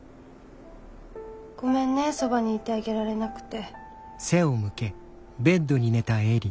ごめんねそばにいてあげられなくて。